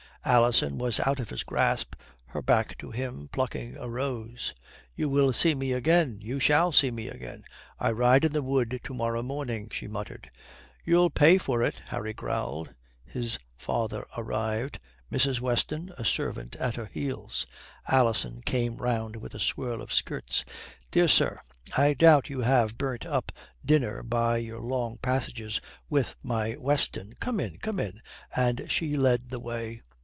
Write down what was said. Alison was out of his grasp, her back to him, plucking a rose. "You will see me again you shall see me again. I ride in the wood to morrow morning," she muttered. "You'll pay for it," Harry growled. His father arrived, Mrs. Weston, a servant at their heels. Alison came round with a swirl of skirts. "Dear sir, I doubt you have burnt up dinner by your long passages with my Weston. Come in, come in," and she led the way.